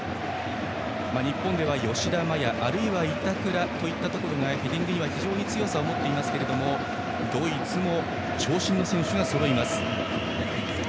日本では吉田麻也あるいは板倉がヘディングには強さを持っていますがドイツも長身の選手がそろいます。